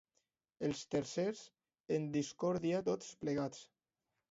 Els terces en discòrdia, tots plegats.